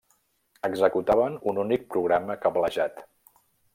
Executaven un únic programa cablejat.